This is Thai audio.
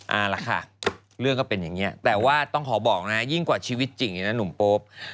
เอาล่ะค่ะเรื่องก็เป็นอย่างนี้แต่ว่าต้องขอบอกนะยิ่งกว่าชีวิตจริงเลยนะหนุ่มโป๊ป